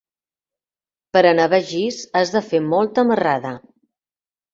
Per anar a Begís has de fer molta marrada.